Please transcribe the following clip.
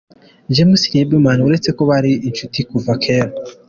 James Liebman, uretse ko bari inshuti kuva kera.